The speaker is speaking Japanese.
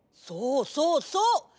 そうそうそう。